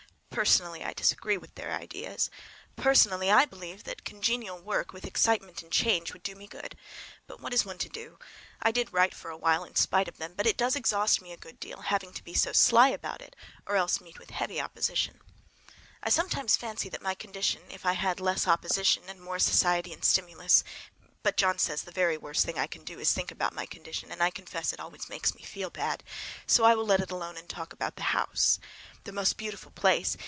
Personally, I disagree with their ideas. Personally, I believe that congenial work, with excitement and change, would do me good. But what is one to do? I did write for a while in spite of them; but it does exhaust me a good deal—having to be so sly about it, or else meet with heavy opposition. I sometimes fancy that in my condition if I had less opposition and more society and stimulus—but John says the very worst thing I can do is to think about my condition, and I confess it always makes me feel bad. So I will let it alone and talk about the house. The most beautiful place!